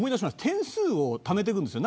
点数をためていくんです。